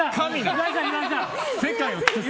世界を作ってる。